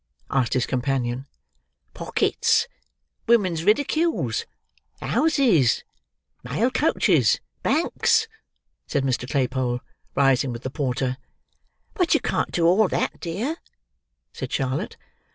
asked his companion. "Pockets, women's ridicules, houses, mail coaches, banks!" said Mr. Claypole, rising with the porter. "But you can't do all that, dear," said Charlotte.